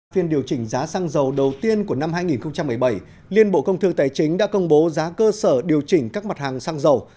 phiên điều chỉnh giá xăng dầu đầu tiên của năm hai nghìn một mươi bảy liên bộ công thương tài chính đã công bố giá cơ sở điều chỉnh các mặt hàng xăng dầu